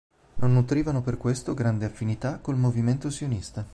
Non nutrivano per questo grande affinità col movimento sionista.